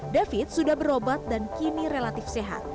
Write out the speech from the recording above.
david sudah berobat dan kini relatif sehat